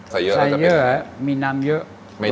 ใส่เยอะมีน้ำเยอะ